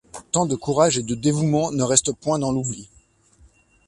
Tant de courage et de dévouement ne restent point dans l'oubli.